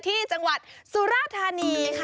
ที่จังหวัดสุราธานีค่ะ